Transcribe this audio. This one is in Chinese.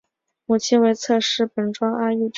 母亲为侧室本庄阿玉之方。